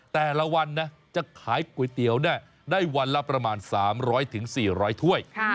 แต่ละวันนะจะขายก๋วยเตี๋ยวได้วันละประมาณ๓๐๐๔๐๐ถ้วย